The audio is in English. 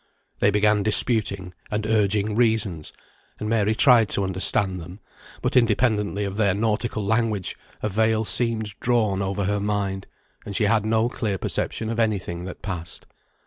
They began disputing, and urging reasons; and Mary tried to understand them; but independently of their nautical language, a veil seemed drawn over her mind, and she had no clear perception of any thing that passed.